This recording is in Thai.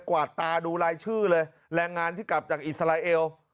วาดตาดูรายชื่อเลยแรงงานที่กลับจากอิสราเอล